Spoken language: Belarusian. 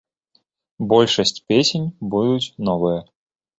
Большасць песень будуць новыя.